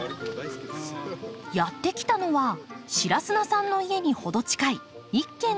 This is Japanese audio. やって来たのは白砂さんの家に程近い一軒の農家。